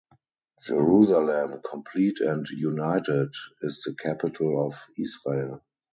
Jerusalem, complete and united, is the capital of Israel.